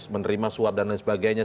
menerima suap dan lain sebagainya